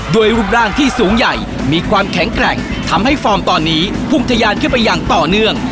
รูปร่างที่สูงใหญ่มีความแข็งแกร่งทำให้ฟอร์มตอนนี้พุ่งทะยานขึ้นไปอย่างต่อเนื่อง